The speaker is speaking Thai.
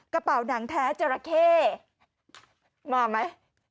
กระเป๋านังแท้เจราะเชศมั้ย